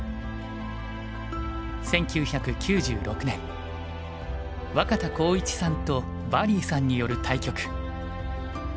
１９９６年若田光一さんとバリーさんによる対局。